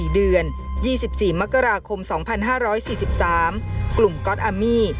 เดือนยี่สิบสี่มกราคมสองพันห้าร้อยสี่สิบสามกลุ่มก๊อตอมี